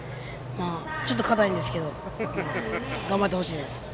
ちょっと硬いですけど頑張ってほしいです。